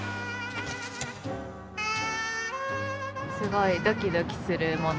すごいドキドキするもの。